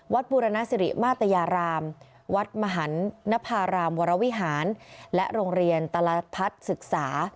บูรณสิริมาตยารามวัดมหันนภารามวรวิหารและโรงเรียนตลพัฒน์ศึกษา